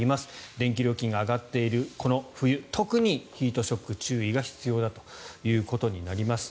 電気料金が上がっているこの冬特にヒートショックに注意が必要だということになります。